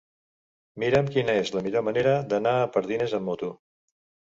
Mira'm quina és la millor manera d'anar a Pardines amb moto.